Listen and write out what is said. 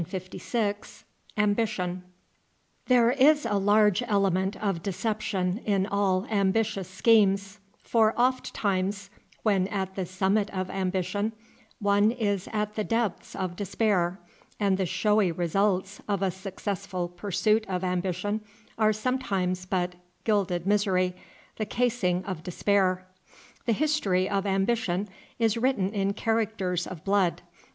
] There is a large element of deception in all ambitious schemes, for ofttimes, when at the summit of ambition, one is at the depths of despair, and the showy results of a successful pursuit of ambition are sometimes but gilded misery, the casing of despair. The history of ambition is written in characters of blood.